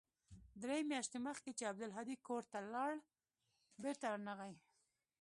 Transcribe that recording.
درې مياشتې مخکې چې عبدالهادي کور ته ولاړ بېرته رانغى.